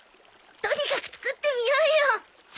とにかく作ってみようよ！